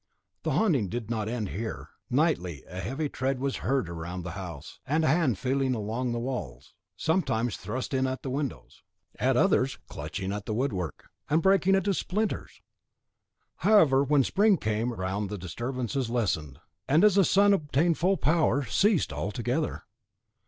The haunting did not end there. Nightly a heavy tread was heard around the house, and a hand feeling along the walls, sometimes thrust in at the windows, at others clutching the woodwork, and breaking it to splinters. However, when the spring came round the disturbances lessened, and as the sun obtained full power, ceased altogether.